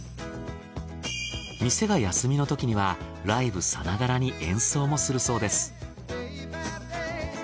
店が休みのときにはライブさながらに演奏もするそうです。